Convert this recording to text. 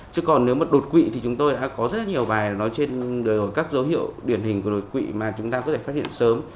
chứ còn nếu mà đột quỵ thì chúng tôi đã có rất nhiều bài nói trên các dấu hiệu điển hình của đột quỵ mà chúng ta có thể phát hiện sớm